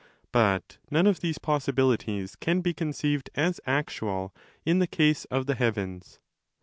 But none of these possibilities can be conceived as actual in the case of the heavens.